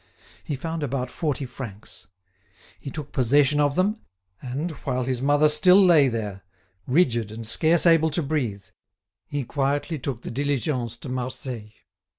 He found about forty francs. He took possession of them, and, while his mother still lay there, rigid and scarce able to breathe, he quietly took the diligence to Marseilles.